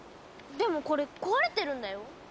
でもこれ壊れてるんだよ。